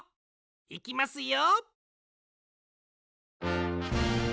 いきますよ。